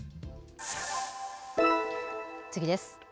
次です。